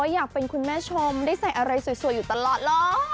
อยากเป็นคุณแม่ชมได้ใส่อะไรสวยอยู่ตลอดเหรอ